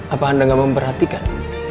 apa anda gak memperhatikan